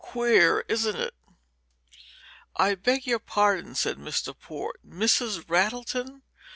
Queer, isn't it?" "I beg your pardon," said Mr. Port. "Mrs. Rattleton?